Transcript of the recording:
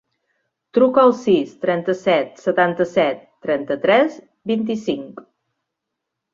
Truca al sis, trenta-set, setanta-set, trenta-tres, vint-i-cinc.